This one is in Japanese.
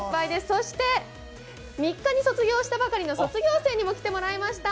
そして、３日に卒業したばかりの卒業生にも来てもらいました。